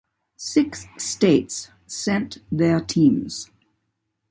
Six states sent their teams.